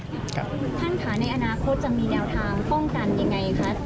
ท่านค่ะในอนาคตจะมีแนวทางป้องกันยังไงคะ